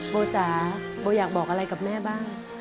โบจ๋าโบอยากบอกอะไรกับแม่บ้าง